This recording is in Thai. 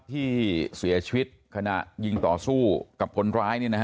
ที่เสียชีวิตขณะยิงต่อสู้กับคนร้าย